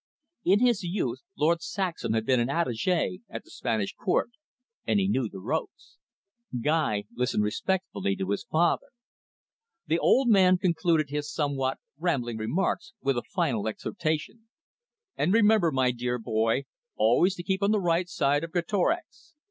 In his youth, Lord Saxham had been an attache at the Spanish Court, and he knew the ropes. Guy listened respectfully to his father. The old man concluded his somewhat rambling remarks with a final exhortation. "And remember, my dear boy, always to keep on the right side of Greatorex.